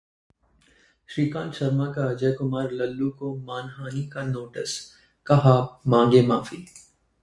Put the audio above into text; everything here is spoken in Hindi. श्रीकांत शर्मा का अजय कुमार लल्लू को मानहानि का नोटिस, कहा- मांगें माफी